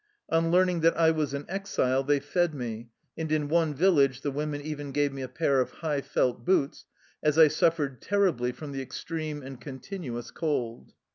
On learning that I was an exile they fed me, and in one village the women even gave me a pair of high felt boots, as I suffered terribly from the extreme and con tinuous cold.